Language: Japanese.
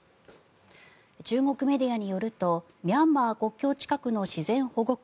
中国メディアによるとミャンマー国境近くの自然保護区